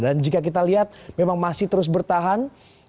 dan jika kita lihat memang masih terus bertahan